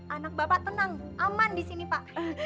anak bapak tenang aman di sini pak